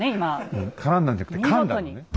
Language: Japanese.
うん絡んだんじゃなくてかんだのね。